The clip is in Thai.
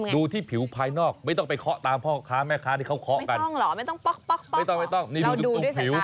ดูที่ผิวภายนอกไม่ต้องไปเคาะตามค้าแม่ค้าที่เค้าเคาะกันไม่ต้องหรอไม่ต้องป๊อกป๊อกป๊อกหรอ